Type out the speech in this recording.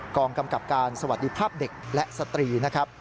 กองกำกับการสวัสดีภาพเด็กและสตรีนะครับ